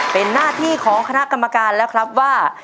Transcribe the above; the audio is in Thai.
เป็นหน้าที่ของคณะกรรมการแล้วครับว่า